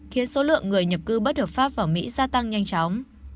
khiến số lượng người nhập cư bất hợp pháp vào mỹ gia tăng nhanh chóng